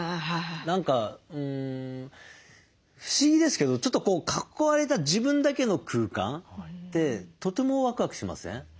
何か不思議ですけどちょっとこう囲われた自分だけの空間ってとてもワクワクしません？